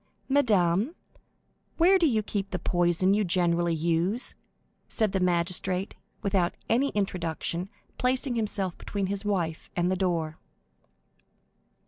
"Madame, where do you keep the poison you generally use?" said the magistrate, without any introduction, placing himself between his wife and the door.